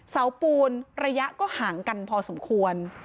เสาปูนระยะก็ห่างกันพอสมควร